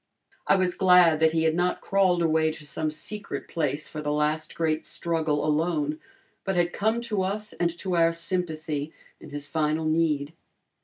I was glad that he had not crawled away to some secret place for the last great struggle alone, but had come to us and to our sympathy in his final need.